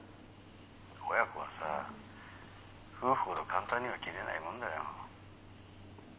親子はさ夫婦ほど簡単には切れないもんだよ。